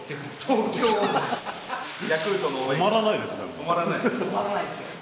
止まらないですね。